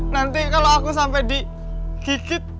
nanti kalau aku sampai digigit